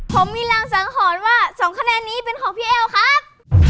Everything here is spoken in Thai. ผมมีรางสังหรณ์ว่า๒คะแนนนี้เป็นของพี่แอลครับ